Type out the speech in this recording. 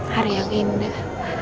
hari yang indah